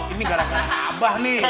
ini gara gara abah nih